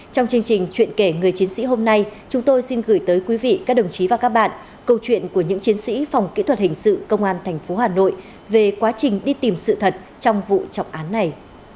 trong chương trình chuyện kể người chiến sĩ hôm nay chúng tôi xin gửi tới quý vị các đồng chí và các bạn câu chuyện của những chiến sĩ phòng kỹ thuật hình sự công an tp hà nội về quá trình đi tìm sự thật trong vụ trọng án này